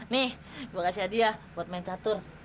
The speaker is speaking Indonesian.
nih gue kasih hadiah buat main catur